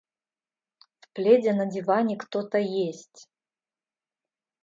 В пледе на диване кто-то есть.